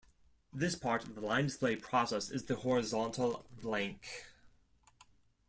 This part of the line display process is the Horizontal Blank.